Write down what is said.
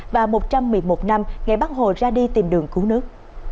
và một trăm một mươi một năm ngày bắc hồ ra đi tìm đường cứu nước